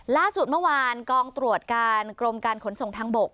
ล่าสุดเมื่อวานกองตรวจการกรมการขนส่งทางบก